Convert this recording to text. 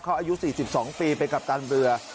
เขาอายุ๔๒ปีเป็นกัปตันเรือ